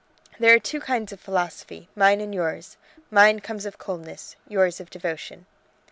There are two kinds of philosophy, mine and yours. Mine comes of coldness, yours of devotion."